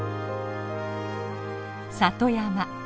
里山。